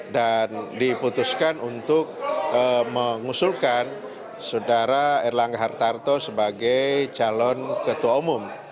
dan diputuskan untuk mengusulkan saudara erlangga hartarto sebagai calon ketua umum